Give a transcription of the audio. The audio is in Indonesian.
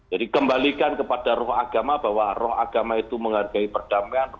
jadi kembalikan kepada roh agama bahwa roh agama itu menghargai perdamaian